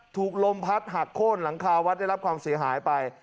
ถูกลมพัดหักโค้นหลังคาวัดได้รับความเสียหายไป